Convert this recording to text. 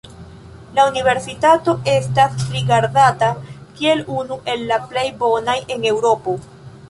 La universitato estas rigardata kiel unu el la plej bonaj en Eŭropo.